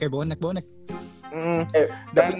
tapi jadinya update updatenya udah selesai ya